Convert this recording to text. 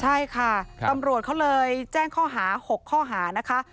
ใช่ค่ะตำรวจเขาเลยแจ้งข้อหา๖ข้อหานะคะ